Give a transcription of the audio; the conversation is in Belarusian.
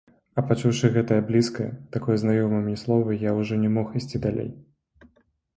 А пачуўшы гэтае блізкае, так знаёмае мне слова, я ўжо не мог ісці далей.